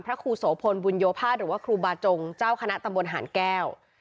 พระครูโสพลบุญโยภาษหรือว่าครูบาจงเจ้าคณะตำบลหารแก้ว